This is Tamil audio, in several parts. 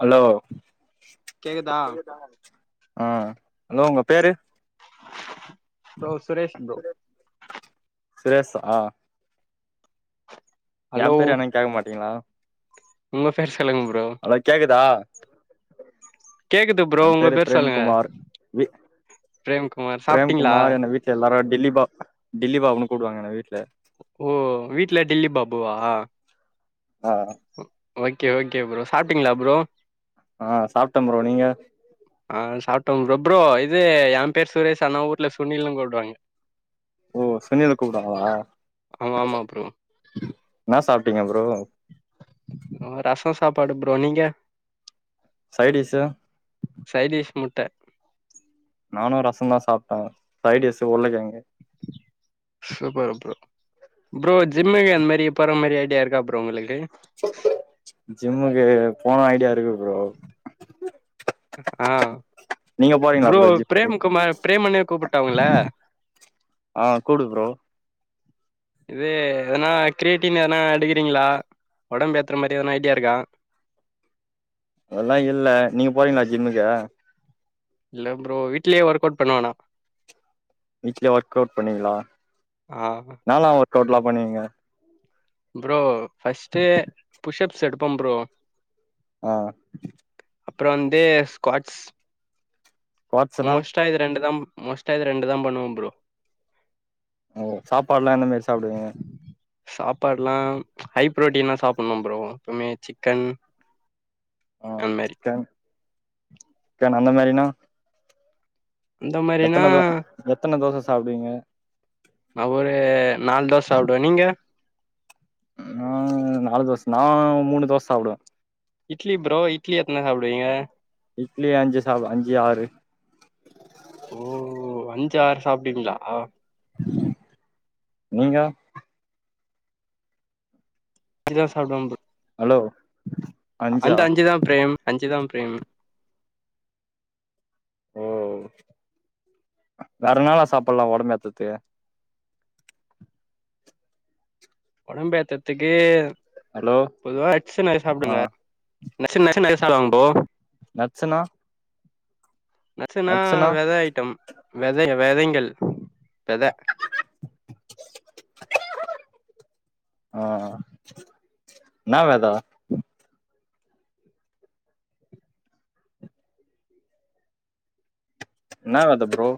ஹலோ கேக்குதா சரிதானே ஆஹ ஹலோ உங்க பேரு ப்ரோ சுரேஷ ப்ரோ சுரேஷ ஆ ஹலோ என் பேரு என்ன கேக்க மாட்டீங்களா உங்க பேர் சொல்லுங்க ப்ரோ அலாக்கேக்குதா கேக்குது ப்ரோ உங்க பேரு சொல்லுங்க பிரேம்குமார் வி பிரேம்குமார் சாப்பிட்டீங்களா பிரேம்குமார் என்ன வீட்ல எல்லாரு டில்லி பாபு டில்லி பாபன்னு கூடுவாங்க என்ன வீட்டில ஓ வீட்டுல டில்லி பாபுவா ஆஹ் ஓகே ஓகே ப்ரோ சாப்பிட்டீங்களா ப்ரோ ஆஹ் சாப்பிட்டம் ப்ரோ நீங்க ஆஹ் சாப்பிட்டோம் ப்ரோ ப்ரோ இது என் பேர் சுரேஷ் அனா ஊர்ல சுனிலன்னனு கூடுவாங்க ஓ சுனில் கூப்பிடுவாகலா ஆமா ஆமா நான் சாப்ப டிங்க ப்ரோ ஓ ராச சா சாப்பாடு ப்ரோனிங்க சைட் டிஷ் ட்டு நானும் ரசம் தான் சாப்பிட்டான் சைடஸ்ு உள்ளாகியங்கு சூப்பரு ப்ரோ ப்ரோ ஜிம்முக்கு அந்த மாரி போற மாரி ஐடியா இருக்கா ப்ரோ உங்களுக்கு ஜிம்முக்கு போன ஐடியா இருக்கு ப்ரோ ஆஹ் நீங்க போறீங்களா ப்ரோ ஜிம்முக்கு பிரேம குமார் பிரேமனே கூப்பிட்டா உங்கள ஆ கூப்டு ப்ரோ இது எதனா கிரியேட்டிவ்னு எதனா எடுக்கிறீங்களா உடம்பு பேத்துற மாரி எதன ஐடியா இருக்கா அதெல்லாம் இல்ல நீங்க போறீங்களா ஜிப்மாக்கு இல்ல ப்ரோ வீட்லயே ஒர்க் அவுட் பண்ணுவானா வீட்ல ஒர்க் அவுட் பண்ணீங்களா ஆ நானா ஒர்கவுட்ல பண்ணீங்க ப்ரோ ஃபஸ்ட் புஷப் செடப ப்ரோ ஆஹ் அப்புறம் வந்து ஸ்குவாட்ஸ் குவாட்ஸ்னா மோஸ்ட இது இயிரண்டுதான் ப்ரோ மஸ்ட ஆ ரெண்டு தான் பண்ணுவ ப்ரோ ஓ சாப்பாடு எல்லாம் என்ன மாரி சாப்பிடுவங்க சாப்பாடு எல்லாம் ஹை ப்ரோட்டீனா சாப்பிடணும் ப்ரோம் எப்பவுமே சிக்கன் ஆஹ் அந்த மாரி சிக்கன் தேனோ அந்த மாரினா அந்த மாரினா எத்தன தோ எத்தன தோசை சாப்டீங்க நா ஒரு நாலு தோச சாப்டுவேன் நீங்க ஆஹ நாலு தோச நான் மூணு தோச சாப்டுவேன் இட்லி ப்ரோ இட்லி எத்தன சாப்டுவீங்க இட்லி அஞ்சு சா அஞ்சு ஆறு ஓ அஞ்சு ஆறு சாப்டுவிங்களா ஆ நீங்க அஞ்ச தா சாப்டுவே ப் அலோ அண்ட அஞ்சிதான் பிரேம் அஞ்சிதான் பிரேம் ஓ வேற நாளா சாப்டலாம் உடம்பேத்ரத்துக்கு உடம்பேத்ரத்துக்கு ஹலோ பொதுவா எக்சு நெறய ஆ சாப்டுங்க நச்சு நச்ச நசா வாங்க போோ [unintelligible] நட்சுனா நட்சுன்னா வெதை ஐட்டம் வெதை வெதைங்கள் வெத அஹ என்னா வெத என்னா வெத ப்ரோ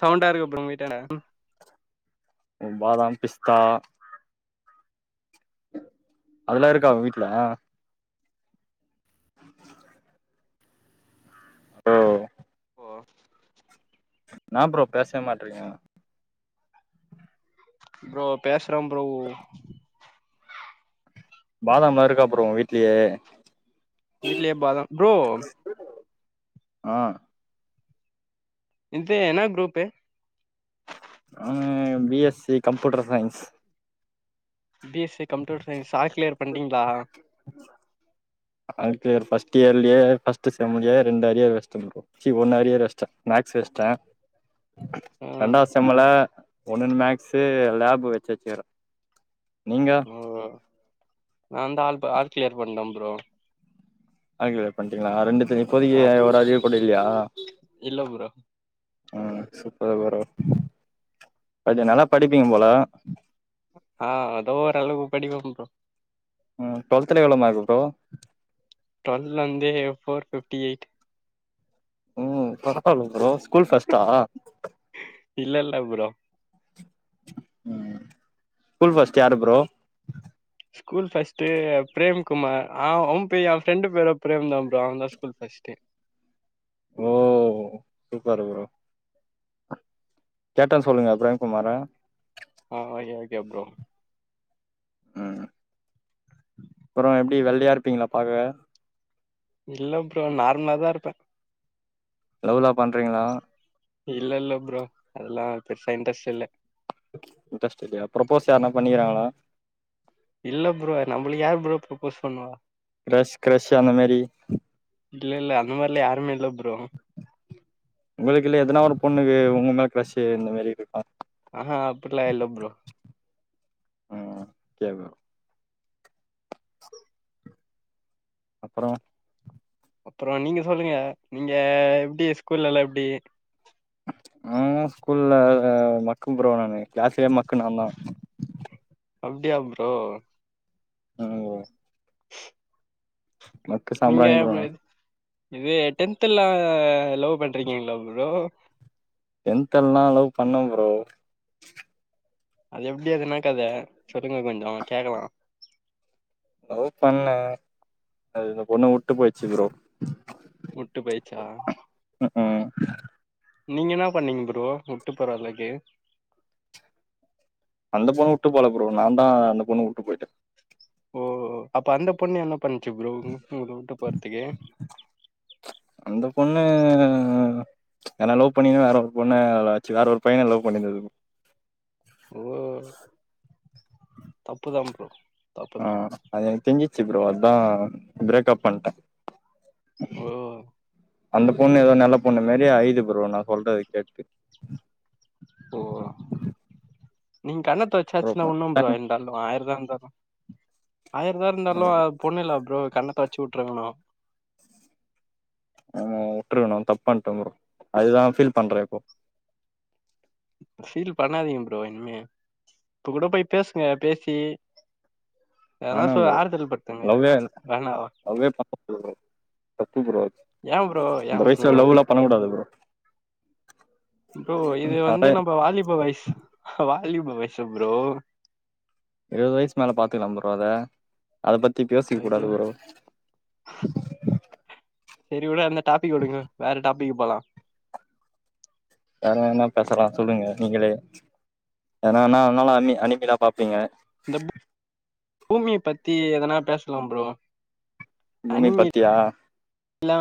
சவுண்டா இருக்கு அப்புறம் உ வீட்ட [unintelligible] பாதாம் பிஸ்தா அதெல்லாம் இருக்கா அவ வீட்ல ஓ போ [unintelligible] என்னா ப்ரோ பேசவே மாட்றிங்க ப்ரோ பேசுறம் ப்ரோ பாதாம் இருக்கா ப்ரோ உங்க வீட்லயே வீட்லயே பாதாம் ப்ரோ ஆஹ இந்து என்னா குரூபே ஆஹ BSc computer science BSc computer science all clear பண்டீங்களா கிளியர் ஃர்ஸ்ட் இயர்லயேஃபர்ஸ்ட் செம்லே ரெண்ட ஆர் இயர்ஸி ஒன்னார் இயர்ஸ்டேன் மேக்ஸ் வேஸ்டேன் [unintelligible] ஆ ரெண்டாவசம்ல ஒன்னு மேக்ஸு லேப் வச்ச வச்சுக்கறேன் நீங்க ஓ நா வந்து ஆல் ஆல் கிளியர் பண்டேன் ப்ரோ ஆல் கிளியர் பண்டீங்களா ரெண்டு ஆ இப்போதியைய ஒருராஜ [unintelligible] அப்படி இல்லையா இல்ல புரோ உம் சூப்பர் புரோ நல்லா படிப்பீங்க போல ஆஹ அதோ ஒரளவு படிப்பன் புரோ உஹம் டுவெல்த்ல எவ்ள மார்க்கு ப்ரோ டுவல் வந்து போர் பிப்டி எய்ட் உம் பரவால்ல ப்ரோ ஸ்கூல் ஃபர்ஸ்ட்டா இல்ல இல்ல புரோ ம் ஸ்கூல் பஸ்ட் யாரு bro school first Prem Kumar அவ அவன் பே என் பிரெண்டு பேரும் பிரேம் தான் ப்ரோ அவன் தான் ஸ்கூல் பஸ்ட்டு ஓ சூப்பர் புரோ கேட்டேன்னு சொல்லுங்க பிரேம்குமார அப்ரோ [unintelligible] உம் அப்புறம் எப்டி வெள்ளையா இருப்பீங்களா பாக்க இல்ல புரோ நார்மலாதான் இருப்பேன் லவ்லா பண்றீங்களா இல்ல இல்ல ப்ரோ அதெல்லாம் பெருசா இன்ரஸ்ட் இல்ல இன்ட்ரெஸ்ட் இல்லையா பிரப்போஸ் யாருனா பண்ணிருக்காங்களா இல்ல ஃப்ரோ நம்மளுக்கு யார் ஃப்ரோ பிரப்போஸ் பண்ணுவா கிரஷ் கிரஷ் அந்த மாரி இல்ல இல்ல அந்த மாரில யாருமே இல்ல ஃப்ரோ உங்களுக்குல்ல எதனா ஒரு பொண்ணு வேணும் இந்த மாரி கிரஷு இந்த மாரி இருக்கா ஆஹா அப்டில்லா இல்ல ஃப்ரோ உஹம் கேவ அப்புறம் அப்புறம் நீங்க சொல்லுங்க நீங்க எப்டி ஸ்கூல்ல எல்லாம் எப்டி ஆஹ ஸ்கூல்ல மக்கும் ஃப்ரோ நானு கிளாஸ்லே மக்கு நான்தான் அப்டியா ஃப்ரோ உம் ஓ மக்கு நீங்க சாம்பிராணி ஃப்ரோ இது இது டென்த்ல்லாம் லவ் பண்றிக்கீங்களா ஃப்ரோ டென்தெல்லாம் லவ் பண்ண ஃப்ரோ அது எப்டி அது என்னா கதை சொல்லுங்க கொஞ்சம் கேட்கலாம் லவ் பண்ண அது இந்த பொண்ணு வுட்டு போச்சு ஃப்ரோ வுட்டு போயிச்சா ஆஹ் நீங்க என்னா பண்ணீங்க ஃப்ரோ வுட்டு போற அளவுக்கு அந்த பொண்ணு வுட்டு போல ஃப்ரோ நான் தான் அந்த பொண்ணு வுட்டு போயிட்டேன் ஓ அப்ப அந்த பொண்ணு என்ன பண்ணுச்சு ஃப்ரோ உட்டு போறத்துக்கு ன லவ் பண்ணு வேற ஒரு பொண்ணுச்சு வேற ஒரு பையனை லவ் பண்ணியிருந்தது ஓ தப்புதான் ஃப்ரோ ஆஹ் அதது தெரிய்சி சிப்ரோன் ஃப்ரேக்ப் பண்ணிட்டேன் ஓ அந்த பொண்ணு ஏதோ நல்ல பொண்ணு மாரி அழுது ஃப்ரோ நான் சொல்றது கேட்டு ஓ நீ கணத்தை ப்ரோ வச்சாச்சுன்னா உண்ணும் படியா இருந்தாலும் ஆயிரதான் இருந்தாலும் ஆயிரம்தான் இருந்தாலும் பொண்ணுல ஃப்ரோ கண்ண தொடச்சு வுட்டுருக்கணும் உஹ வுட்டுருக்கணும் தப்பன்னிட்டே ஃப்ரோ அதுதான் ஃபீல் பண்றேன் இப்ப ஃபீல் பண்ணாதீங்க ஃப்ரோ இனிமே இப்ப கூட போய் பேசுங்க பேசி எதனா வேணா சொ புரோ ஆறுதல் படுத்துங்க லவ்வே இல்ல வேணாவா லவ்வே பண்ணது தப்பு போ அ ஏ ப்ரோ ஏ இந்த ப்ரோ வயசுல லவ் எல்லாம் பண்ணக்கூடாது ஃப்ரோ ஃப்ரோ இது அதா வந்து நம்ம வாலிப வயஸ் வாலிப வயசு புரோ இருபது வயசுக்கு மேல பாத்துக்கலாம் புரோ அத அத பத்தி பேசிக்க ஐயோ கூடாது புரோ செரி விடு அந்த டாபிக்க விடுங்க வேற டாப் பலா [unintelligible] வேற என்ன பேசலாம் சொல்லுங்க நீங்களே ஏன்னா என்னால அ அனிமிலா பாப்பீங்க இந்த பூமிய பத்தி எதனா பேசலாம் புரோ பூமிய பத்தியா இல்ல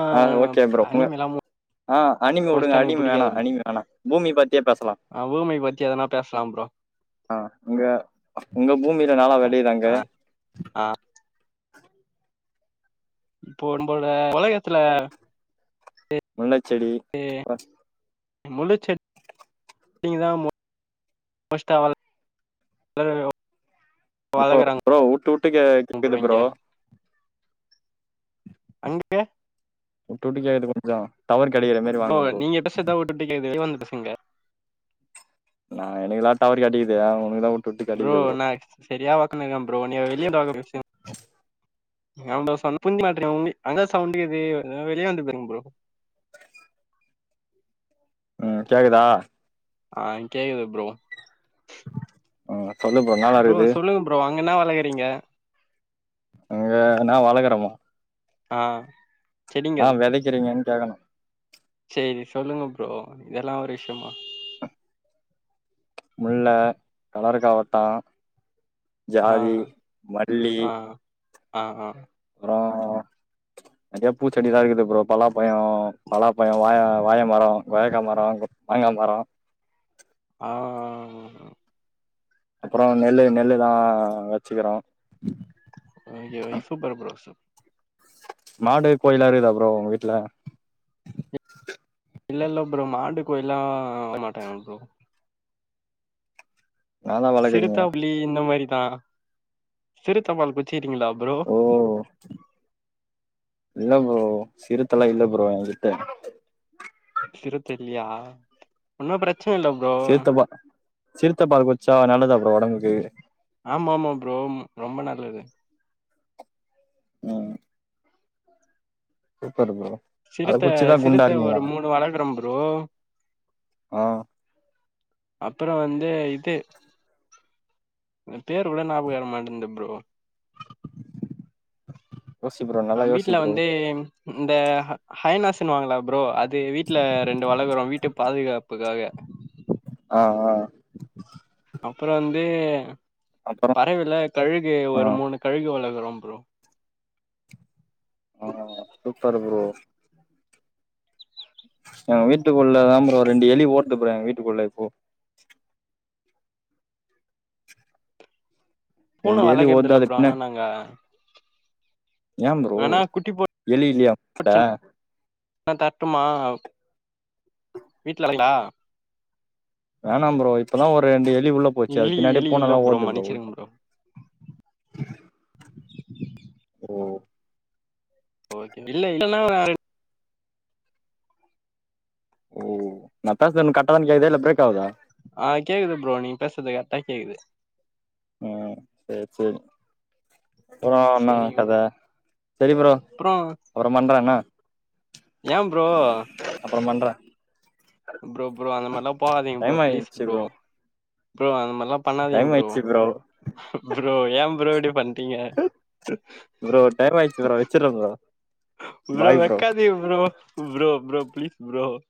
அனிமிலாம் ஆஹ அனிமி வுடுங்க மோஸ்டா எனக்கு அனிமி பிடிக்காது வேணாம் அனிமி வேணாம் பூமிய பத்தியே பேசலாம் அஹ் பூமியை பத்தி எதனா பேசலாம் ப்ரோ ஆஹ உங்க உங்க பூமியில நல்லா வெளையுதாங்க போடும் போடுற [unintelligible] உலகத்துல முல்லச் செடி முழு செடிான் [unintelligible] புரோ புரோ உட்டு உட்டு கேக்குது புரோ அங்கே உட்டு உட்டு கேக்குது கொஞ்சம் இ நீங்க எிட்ட சதா விட்டுே வந்துட்டு [unintelligible] சிங்கர் [unintelligible] நா எனக்குல்லாம் டவர் கெடைக்குது உனக்குதான் ப்ரோ நான் சரியா வாக்குன்னுக்கேன் ப்ரோ நீ வெளியே த வாச [unintelligible] அவ்ள புஞ்சு மாட்டுன் உங்க அங்க சவுண்டக்குது வெளியே வந்து போருங்க ப்ரோ [unintelligible] உம் கேக்குதா ஆஹ் கேகது இப்ரோ சொல்லுப்ப நாலாகுது சொல்லுங்க ப்ரோ அங்க என்ன வளகறீங்க அங்க நா வளகரமா ஆஹ் ஆஹ் விதைக்கிறீங்கன்னு கேட்கணும் சரி சொல்லுங்க ப்ரோ இதெல்லாம் ஒரு விஷயமா முல்ல கலருக்காவட்டம் ஆ ஜாதி மல்லி ஆஹ் ஆஹ் றம் நிறைய பூச்செடிலான் இருக்குது ப்ரோ பலாப்பயம் பலாப்பாயம் வாய வாய மரம் கொயக்காய் மரம் மாங்காய் மரம் ஆஹஹ அப்புறம் நெல்லு நெல்லுதான் வச்சுக்கிறோம் உங்க வைஃப் [unintelligible] மாடு கோழிலா இருக்குதா ப்ரோ உங்க வீட்டுல இல்லல்ல ப்ரோ மாடு கோழிலாம் வாங்க மாட்டாங்க ப்ரோ என்னாதா வளக்குறீங்க சிறுதாப்புளி இந்த மாரி ஆஹ் சிறுத்தம்பால் பூச்சி சரிங்களா ப்ரோ ஓ இல்ல ப்ரோ சிறுத்தலா இல்ல ப்ரோ என் கிட்ட சிருத்த இல்லையா ஒண்ணும் பிரச்ச ன்னை இல்ல ப்ரோ சிறுத்தப்பா சிறுத்த பால் குச்சா நல்லதா ப்ரோ உடம்புக்கு ஆமா ஆமா ப்ரோ ரொம்ப நல்லது உம் சூப்பரு ப்ரோ அத சிறுத்த குச்சிதா குண்டா சிறுத்த ஒரு இருக்கீங்களா மூணு வளர்க்குறோம் ப்ரோ ப்ரோ ஆஹ் அப்புறம் வந்து இது பேர் கூட ஞாபகம் வர மாட்டேகுது ப்ரோ யோசி ப்ரோ நல்லா யோசி வீட்டுல ப்ரோ வந்து இந்த ஹைனாஸ்ன்னுவாங்கள ப்ரோ அது வீட்டுல ரெண்டு வளக்குறோம் வீட்டு பாதுகாப்புக்காக ஆ ஆ அப்புறம் வந்து உம் அப்புறோ பறவைல கழுகு ஆ ஒரு மூணு கழுகு வளக்குறோம் ப்ரோ ஆஹ் சூப்பரு ப்ரோ வீட்டுக்குள்ளதான் ப்ரோ ஒரு ரெண்டு எலி ஓடுது ப்ரோ எங்க வீட்டுக்குள்ள இப்போ பூனை ரெண்டு எலி வளர்க்கறிறது ஓடுது இல்ல அது ப்ரோம் பின்ன ஆனா நாங்க யான் ப்ரோ வேணா குட்டி எலி இல்லையா ப்பா நா தரட்டுமா வீட்டுல வழக்கிருங்களா வேணாம் ப்ரோ இப்பதான் ஒரு ரெண்டு எ லி உள்ள போச்சு அது எலி பின்னாடி எலி பூன்னா இல்ல எல்லாம் ஒடுது ப்ரோ உள்ள மன்னிச்சிருங்க ஓ ஓ ஓகே இல்ல இல்லனா வேண் ஓ மத்தாசு [unintelligible] கரெக்ட்டா உனக்கு கேக்குதா இல்ல பிரேக் ஆகுதா ஆஹ கேக்குது ப்ரோ நீ பேசுறது கரெக்ட்டா கேக்குது உஹம் செரி செரி அப்புறம்ண்ணா சரிங்க ப்ரோ. கதை சரி ப்ரோம் அப்புறம் அப்புறம் பண்றேன் என்ன ஏன் ப்ரோ அப்றோ பண்றே ப்ரோ ப்ரோ அந்த மாரிலாம் போகாதீங்க ப்ரோ டைம் பிளீஸ் ஆயிடுச்சு ப்ரோ ப்ரோ அந்தமரியல்லாம் போ பண்ணாதீங்க டைம் ப்ரோ ஆயிடுச்சு ப்ரோ ஏன் ப்ரோ இப்புடி பண்ங்க் ப்ரோ டைம் ஆயிடுச்சு ப்ரோ வச்சுறே ப்ரோ ப்ரோ வைக்காதீங்க ப்ரோ ப்ரோ ப்ரோ பீஸ் ப்ரோ